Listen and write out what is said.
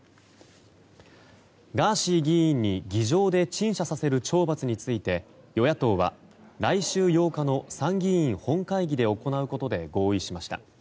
ガーシー議員に議場で陳謝させる懲罰について与野党は来週８日の参議院本会議で行うことで合意しました。